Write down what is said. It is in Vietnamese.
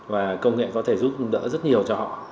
và công nghệ có thể giúp đỡ rất nhiều cho họ